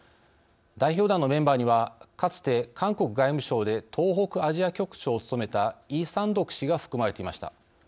代表団のメンバーにはかつて、韓国外務省で東北アジア局長を務めたイ・サンドク氏が含まれていました。